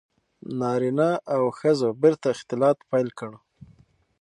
• نارینه او ښځو بېرته اختلاط پیل کړ.